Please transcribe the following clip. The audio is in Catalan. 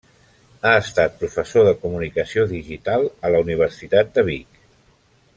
Ha estat professor de Comunicació Digital a la Universitat de Vic.